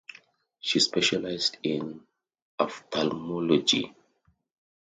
She specialized in ophthalmology.